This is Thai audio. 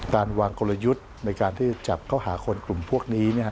การวางกลยุทธ์ในการที่จะจับเข้าหาคนกลุ่มพวกนี้